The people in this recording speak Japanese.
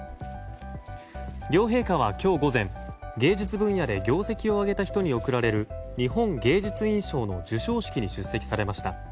両陛下は、今日午前芸術分野で業績をあげた人に贈られる日本芸術院賞の授賞式に出席されました。